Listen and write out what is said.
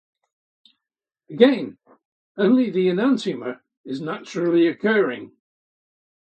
Again, only the enantiomer is naturally occurring.